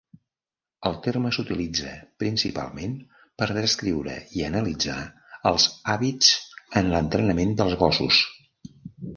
El terme s'utilitza principalment per descriure i analitzar els hàbits en l'entrenament dels gossos.